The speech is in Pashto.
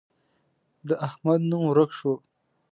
د احمد نوم ورک شو.